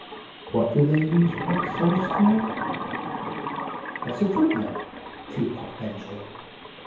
What do they use White Sauce for?" "There's a foot note," Tea Pot ventured.